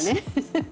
フフ！